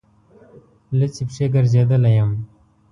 لوڅې پښې ګرځېدلی یم.